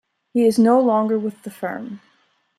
He is no longer with the firm.